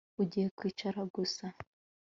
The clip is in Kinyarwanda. Ugiye kwicara gusa